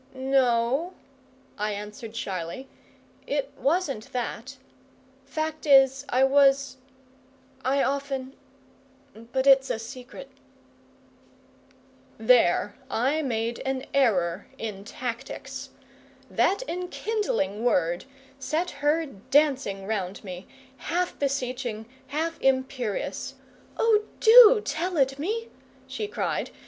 "No," I answered shyly, "it wasn't that. Fact is, I was I often but it's a secret." There I made an error in tactics. That enkindling word set her dancing round me, half beseeching, half imperious. "Oh, do tell it me!" she cried.